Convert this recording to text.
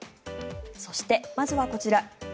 そして、まずはこちら。